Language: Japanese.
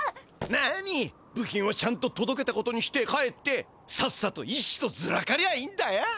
なに部品はちゃんととどけたことにして帰ってさっさとイシシとずらかりゃいいんだよ。